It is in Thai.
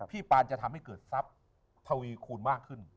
ปานจะทำให้เกิดทรัพย์ทวีคูณมากขึ้น